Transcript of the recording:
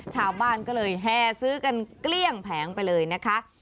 ชาวบ้านก็เลยแห่ซื้อกันเกลี้ยงแผงไปเลยนะคะ